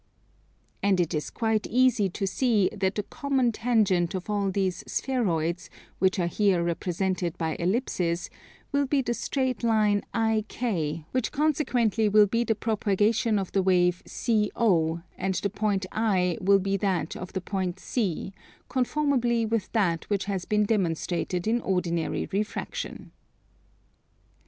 And it is quite easy to see that the common tangent of all these spheroids, which are here represented by Ellipses, will be the straight line IK, which consequently will be the propagation of the wave CO; and the point I will be that of the point C, conformably with that which has been demonstrated in ordinary refraction.